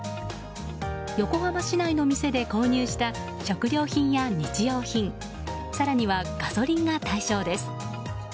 横浜市内の店で購入した食料品や日用品更にはガソリンが対象です。